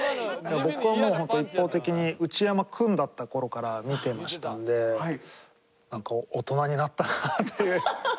僕はもう本当一方的に内山君だった頃から見てましたのでなんか大人になったなっていう。